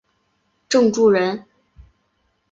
郑注人。